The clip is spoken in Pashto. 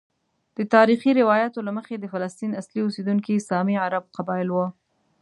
د تاریخي روایاتو له مخې د فلسطین اصلي اوسیدونکي سامي عرب قبائل وو.